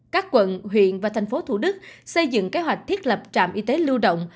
các quận huyện và thành phố thủ đức xây dựng kế hoạch thiết lập trạm y tế lưu động